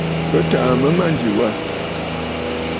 Bɨ tàà mə̂ a mânjì wâ.